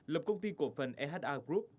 lập công ty cổ phần eha group